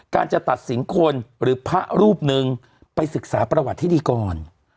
จะตัดสินคนหรือพระรูปหนึ่งไปศึกษาประวัติให้ดีก่อน